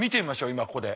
今ここで。